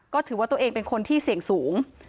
ก็ถือว่าตัวเองเป็นคนที่เสี่ยงสูง